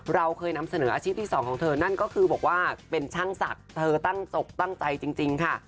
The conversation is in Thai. เราเคยนำเสนออาชีพที่สองของเธอนั่นก็คือบอกว่าเป็นช่างศักดิ์เธอตั้งจกตั้งใจจริงค่ะ